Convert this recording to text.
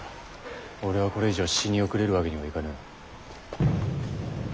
俺はこれ以上死に後れるわけにはいかぬ。